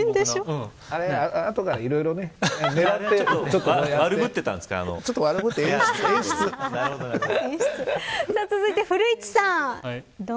後からいろいろね、狙って続いて、古市さん